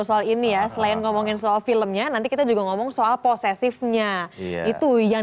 soal ini ya selain ngomongin soal filmnya nanti kita juga ngomong soal posesifnya itu yang